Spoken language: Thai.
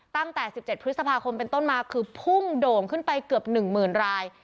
ตั้งแต่๑๗พฤษภาคมเป็นต้นมาคือพุ่งโด่งขึ้นไปเกือบ๑๐๐๐ราย